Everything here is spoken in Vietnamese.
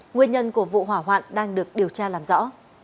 nguyên nhân của vụ hỏa hoạn đang được điều tra làm rõ